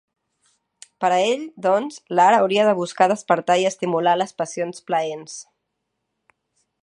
Per a ell, doncs, l'art hauria de buscar despertar i estimular les passions plaents.